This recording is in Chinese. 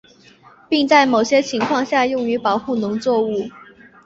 并在某些情况下用于保护农作物。